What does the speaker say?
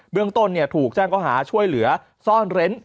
เรื่องต้นถูกแจ้งเขาหาช่วยเหลือซ่อนเร้น